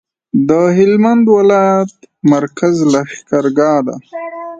د هلمند ولایت مرکز لښکرګاه ده